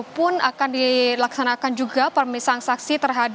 maka silalah di miss criminal